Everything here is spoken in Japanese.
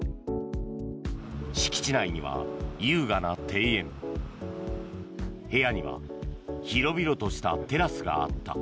敷地内には優雅な庭園部屋には広々としたテラスがあった。